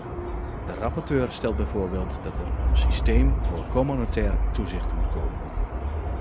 De rapporteur stelt bijvoorbeeld dat er een systeem voor communautair toezicht moet komen.